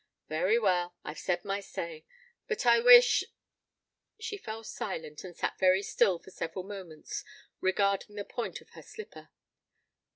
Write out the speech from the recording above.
"Very well. I've said my say. But I wish " She fell silent and sat very still for several moments regarding the point of her slipper.